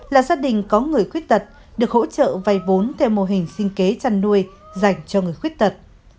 là gia đình có người khuyết tật được hỗ trợ vay vốn theo mô hình sinh kế chăn nuôi dành cho người khuyết tật